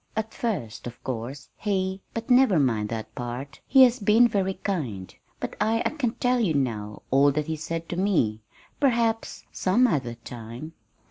"At first, of course, he but never mind that part.... He has been very kind; but I I can't tell you now all that he said to me. Perhaps some other time."